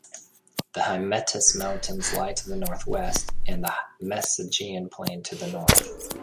The Hymettus mountains lie to the northwest and the Mesogeian plain to the north.